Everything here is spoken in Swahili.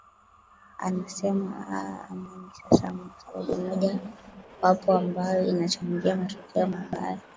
aa anasema aa ama ni sababu moja wapo ambayo inachangia matokeo mabaya